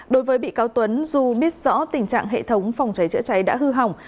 đối với bị cao tùng dù biết rõ tình trạng hệ thống phòng cháy chữa cháy đã hư hỏng